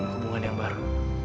hubungan yang baru